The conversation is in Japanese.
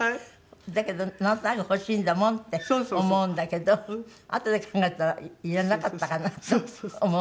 だけどなんとなく欲しいんだもんって思うんだけどあとで考えたらいらなかったかなって思う物って。